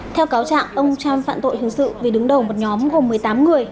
theo cáo trạng ông trump phạm tội hướng sự vì đứng đầu một nhóm gồm một mươi tám người